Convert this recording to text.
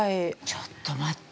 ちょっと待って。